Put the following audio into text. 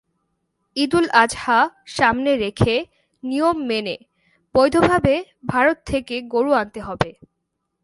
ঈদুল আজহা সামনে রেখে নিয়ম মেনে বৈধভাবে ভারত থেকে গরু আনতে হবে।